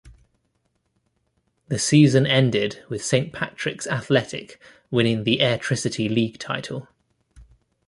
The season ended with Saint Patricks Athletic winning the Airtricty League title.